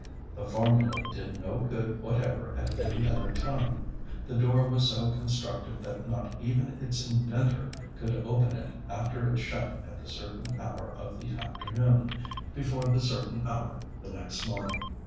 The formula did no good whatever at any other time; the door was so constructed that not even its inventor could open it after it shut at the certain hour of the afternoon, before the certain hour the next morning.